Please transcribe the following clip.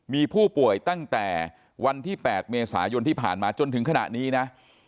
มีผู้ป่วยตั้งแต่วันที่๘เมษายนที่ผ่านมาจนถึงขณะนี้นะ